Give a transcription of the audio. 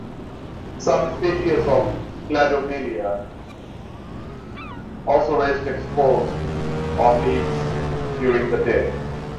Some species of "Cladomelea" also rest exposed on leaves during the day.